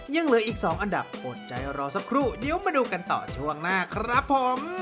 ยังเหลืออีก๒อันดับอดใจรอสักครู่เดี๋ยวมาดูกันต่อช่วงหน้าครับผม